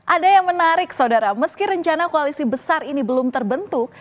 ada yang menarik saudara meski rencana koalisi besar ini belum terbentuk